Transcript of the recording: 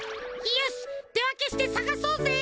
よしってわけしてさがそうぜ。